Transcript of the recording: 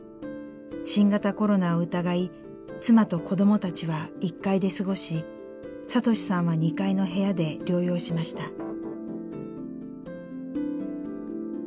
新型コロナを疑い妻と子供たちは１階で過ごし聡士さんは２階の部屋で療養しました。